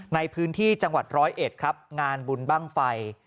ในพื้นที่จังหวัดร้อยเอ็ดครับงานบุญบ้างไฟ